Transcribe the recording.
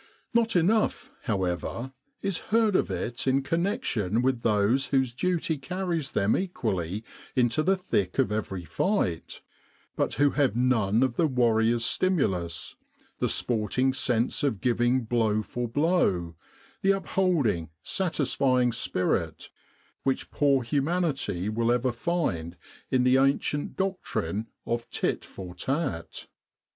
Not enough, however, is heard of it in connection with those whose duty carries them equally into the thick of every fight, but who have none of the warrior's stimulus, the sporting sense of giving blow for blow the upholding, satisfying spirit which poor humanity will ever find in the ancient doctrine of tit for tat.